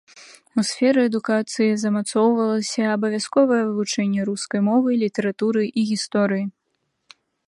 У сферы адукацыі замацоўвалася абавязковае вывучэнне рускай мовы, літаратуры і гісторыі.